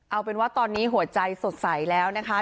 เอาเป็นว่าตอนนี้หัวใจสดใสแล้วนะคะ